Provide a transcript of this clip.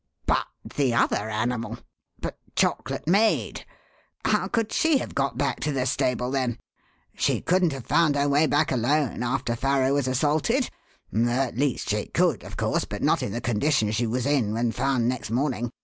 "But the other animal? But Chocolate Maid? How could she have got back to the stable, then? She couldn't have found her way back alone after Farrow was assaulted at least, she could, of course, but not in the condition she was in when found next morning.